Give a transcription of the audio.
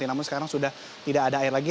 namun sekarang sudah tidak ada air lagi